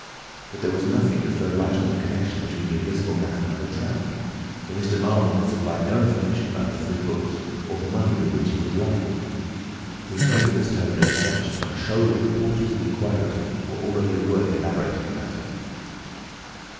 But there was nothing to throw light on the connexion between the Invisible Man and the Tramp; for Mr. Marvel had supplied no information about the three books, or the money with which he was lined. The incredulous tone had vanished and a shoal of reporters and inquirers were already at work elaborating the matter.